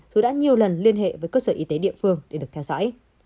dù đã nhiều lần liên hệ với cơ sở y tế địa phương để được theo dõi